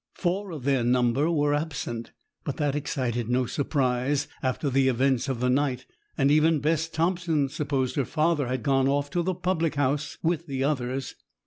Four of their number were absent, but that excited no surprise after the events of the night; and even Bess Thompson supposed her father had gone off to the public house with the others.